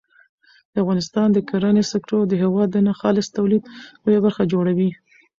د افغانستان د کرنې سکتور د هېواد د ناخالص تولید لویه برخه جوړوي.